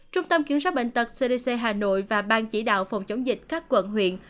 trung tâm kiểm soát bệnh tật cdc hà nội và ban chỉ đạo phòng chống dịch các quận huyện